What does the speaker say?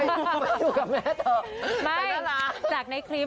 อยู่กับแม่เถอะไม่แต่น่ารักจากในคลิปอ่ะ